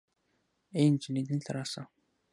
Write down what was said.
آې انجلۍ دلته راسه